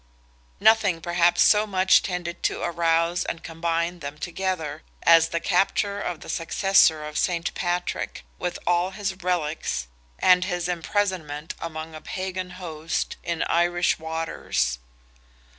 Nothing perhaps so much tended to arouse and combine them together as the capture of the successor of Saint Patrick, with all his relics, and his imprisonment among a Pagan host, in Irish waters.